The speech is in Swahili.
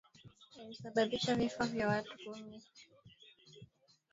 yalisababisha vifo vya watu kumi siku ya Jumapili wizara nchini humo inayosimamia misaada